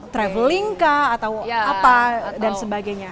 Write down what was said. traveling kah atau apa dan sebagainya